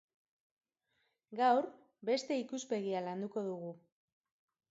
Gaur, beste ikuspegia landuko dugu.